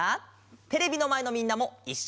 テレビのまえのみんなもいっしょにやってみよう！